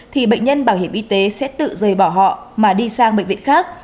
thì bệnh nhân bảo hiểm y tế sẽ tự rời bỏ họ mà đi sang bệnh viện khác